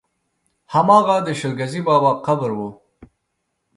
هماغه د شل ګزي بابا قبر و.